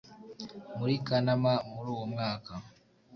Muri Kanama muri uwo mwaka